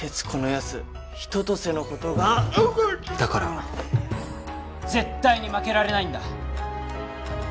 春夏秋冬のことがだから絶対に負けられないんだ！